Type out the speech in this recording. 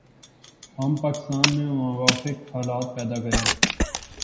ہم پاکستان میں موافق حالات پیدا کریں